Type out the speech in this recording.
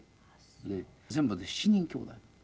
全部で７人きょうだい。